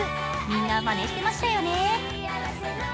みんなまねしてましたよね。